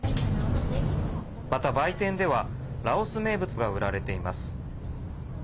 また、売店ではラオス名物が売られています。